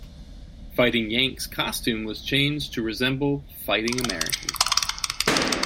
Fighting Yank's costume was changed to resemble Fighting American.